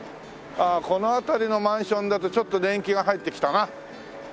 ああこの辺りのマンションだとちょっと年季が入ってきたな。